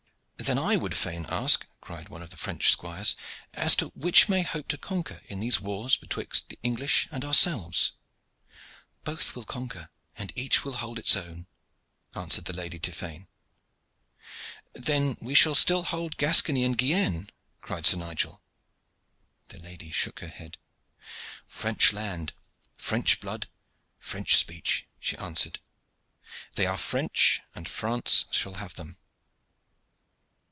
"Then I would fain ask," cried one of the French squires, "as to which may hope to conquer in these wars betwixt the English and ourselves." "Both will conquer and each will hold its own," answered the Lady Tiphaine. "Then we shall still hold Gascony and Guienne?" cried Sir Nigel. The lady shook her head. "French land, French blood, French speech," she answered. "They are French, and France shall have them."